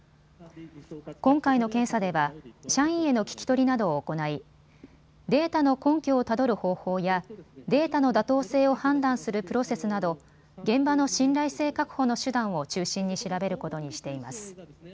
今回の検査では社員への聞き取りなどを行いデータの根拠をたどる方法やデータの妥当性を判断するプロセスなど現場の信頼性確保の手段を中心に調べることにしています。